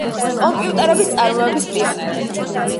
კომპიუტერების წარმოების პიონერი.